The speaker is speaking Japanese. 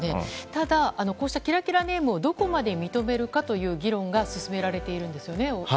ただ、こうしたキラキラネームをどこまで認めるかという議論が進められているんですよね。